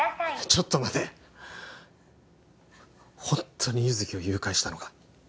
ちょっと待てホントに優月を誘拐したのか？